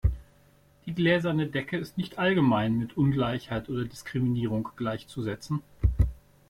Die Gläserne Decke ist nicht allgemein mit Ungleichheit oder Diskriminierung gleichzusetzen.